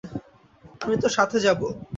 আমি তোর সাথে যাবো।